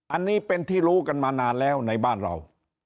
อันนี้เป็นที่รู้กันมานานแล้วในบ้านเรา